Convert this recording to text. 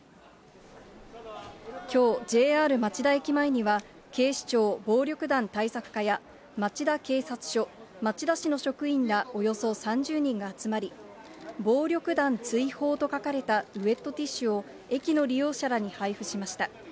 きょう、ＪＲ町田駅前には、警視庁暴力団対策課や町田警察署、町田市の職員らおよそ３０人が集まり、暴力団追放と書かれたウエットティッシュを駅の利用者らに配布しました。